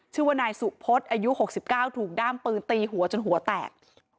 ชื่อว่านายสุพศอายุ๖๙ถูกด้ามปืนตีหัวจนหัวแตก